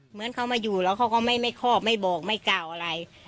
เหมือนเขามาอยู่แล้วเขาก็ไม่คอบไม่บอกไม่กล่าวอะไร